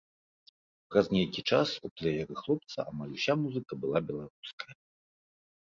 Праз нейкі час у плэеры хлопца амаль уся музыка была беларуская.